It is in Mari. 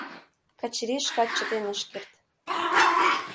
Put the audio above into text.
Качырий шкат чытен ыш керт.